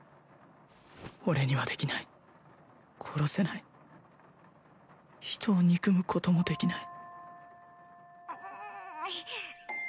俺にはできない殺せない人を憎むこともできないうん